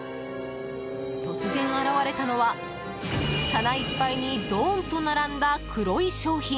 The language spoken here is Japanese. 突然現れたのは、棚いっぱいにドーンと並んだ黒い商品。